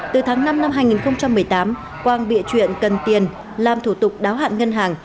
từ tháng năm năm hai nghìn một mươi tám quang bị chuyện cần tiền làm thủ tục đáo hạn ngân hàng